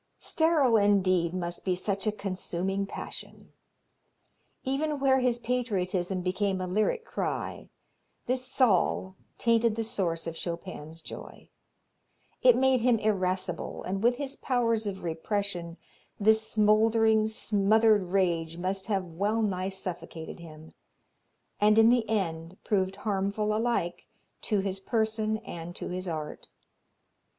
Sterile indeed must be such a consuming passion. Even where his patriotism became a lyric cry, this Zal tainted the source of Chopin's joy. It made him irascible, and with his powers of repression, this smouldering, smothered rage must have well nigh suffocated him, and in the end proved harmful alike to his person and to his art.